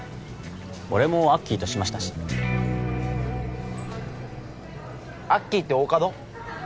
俺もアッキーとしましたしアッキーって大加戸？